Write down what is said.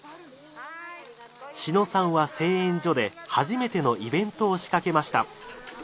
志野さんは製塩所で初めてのイベントを仕掛けました。